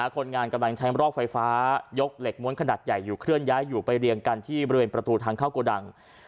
คนงานกำลังใช้รอกไฟฟ้ายกเหล็กม้วนขนาดใหญ่อยู่เคลื่อนย้ายอยู่ไปเรียงกันที่บริเวณประตูทางเข้าโกดัง